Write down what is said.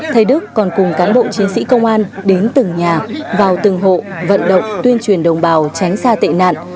thầy đức còn cùng cán bộ chiến sĩ công an đến từng nhà vào từng hộ vận động tuyên truyền đồng bào tránh xa tệ nạn